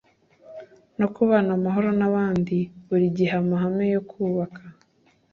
no kubana amahoro n abandi buri gihe amahame yo kubaka